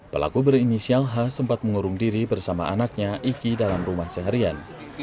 pelaku berinisial h sempat mengurung diri bersama anaknya iki dalam rumah seharian